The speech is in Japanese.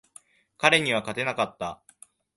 彼には勝てなかった。